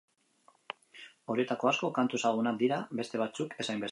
Horietako asko kantu ezagunak dira, beste batzuk ez hainbeste.